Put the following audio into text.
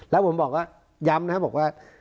แล้วผมย้ำนะครับว่า